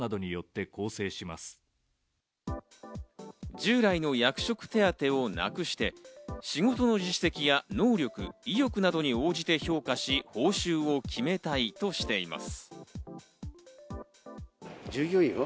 従来の役職手当をなくして、仕事の実績や能力、意欲などに応じて評価し、報酬を決めたいとしています。